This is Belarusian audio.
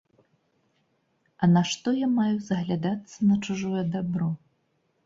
А нашто я маю заглядацца на чужое дабро?